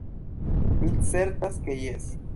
Mi certas ke jes.